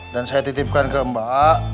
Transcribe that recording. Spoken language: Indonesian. dan saya titipkan ke mbak